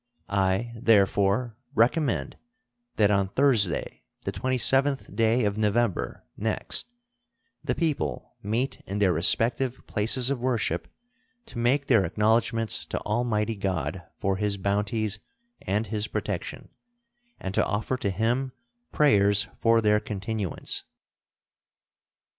I therefore recommend that on Thursday, the 27th day of November next, the people meet in their respective places of worship to make their acknowledgments to Almighty God for His bounties and His protection, and to offer to Him prayers for their continuance.